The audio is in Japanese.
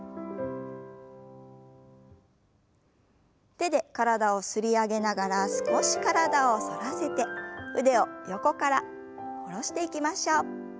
手で体を擦り上げながら少し体を反らせて腕を横から下ろしていきましょう。